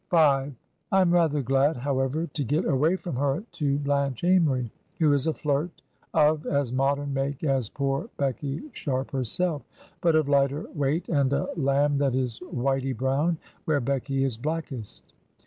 I am rather glad, however, to get away from her to Blanche Amory, who is a flirt of as modem make as poor Becky Sharp herself, but of lighter weight, and a Iamb that is whity brown where Becky is blackest.